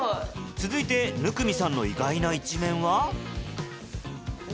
続いて生見さんの意外な一面は？